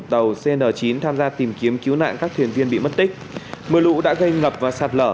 tàu cn chín tham gia tìm kiếm cứu nạn các thuyền viên bị mất tích mưa lũ đã gây ngập và sạt lở